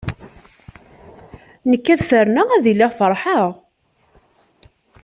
Nekk ad ferneɣ ad iliɣ feṛḥeɣ.